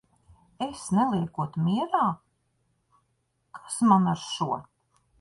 Es neliekot mierā? Kas man ar šo!